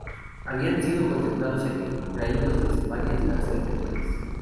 Habían sido concentrados allí, traídos desde varias cárceles del país.